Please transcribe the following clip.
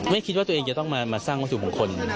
คิดว่าตัวเองจะต้องมาสร้างวัตถุมงคล